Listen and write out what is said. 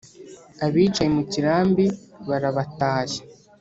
Abicaye mu kirambi barabatashya